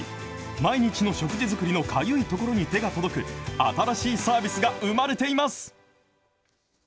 毎日の食事作りのかゆいところに手が届く、新しいサービスが生まれています。